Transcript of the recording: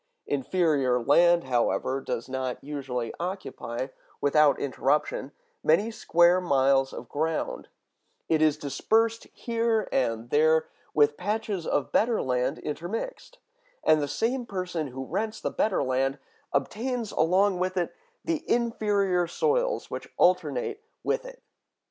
Inferior land, however, does not usually occupy, without interruption, many square miles of ground; it is dispersed here and there, with patches of better land intermixed, and the same person who rents the better land obtains along with it the inferior soils which alternate with it.